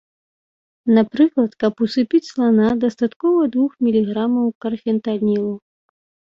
Напрыклад, каб усыпіць слана, дастаткова двух міліграмаў карфентанілу.